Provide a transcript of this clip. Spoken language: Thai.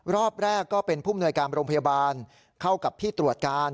รอบแรกก็เป็นผู้มนวยการโรงพยาบาลเข้ากับพี่ตรวจการ